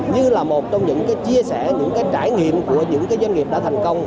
như là một trong những chia sẻ những trải nghiệm của những doanh nghiệp đã thành công